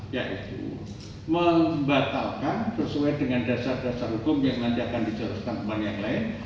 yaitu membatalkan bersuai dengan dasar dasar hukum yang dilakukan di jorok tanpa yang lain